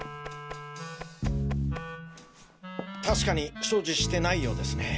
確かに所持してないようですね。